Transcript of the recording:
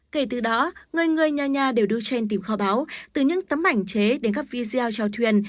kể từ đó ngươi ngươi nha nha đều đưa trên tìm kho báo từ những tấm ảnh chế đến các video trao thuyền